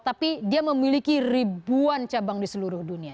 tapi dia memiliki ribuan cabang di seluruh dunia